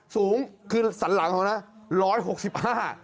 สูงคือสันหลังเขานะ๑๖๕